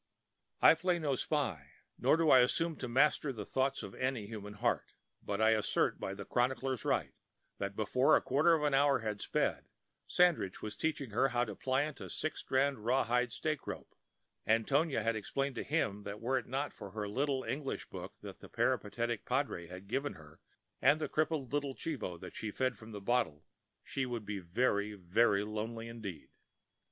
I play no spy; nor do I assume to master the thoughts of any human heart; but I assert, by the chronicler's right, that before a quarter of an hour had sped, Sandridge was teaching her how to plaint a six strand rawhide stake rope, and Tonia had explained to him that were it not for her little English book that the peripatetic padre had given her and the little crippled chivo, that she fed from a bottle, she would be very, very lonely indeed.